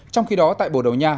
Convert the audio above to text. trong khi đó tại bồ đầu nha